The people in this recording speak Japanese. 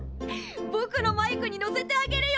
ぼくのバイクに乗せてあげるよ。